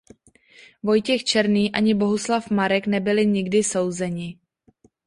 Vojtěch Černý ani Bohuslav Marek nebyli nikdy souzeni.